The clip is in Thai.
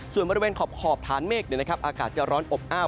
ส่วนบริเวณขอบฐานเมฆอากาศจะร้อนอบอ้าว